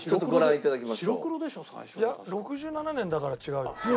いや１９６７年だから違うよ。